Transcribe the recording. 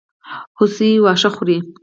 هوسۍ واښه خوري.